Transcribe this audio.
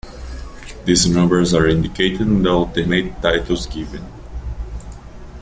These numbers are indicated and the alternate titles given.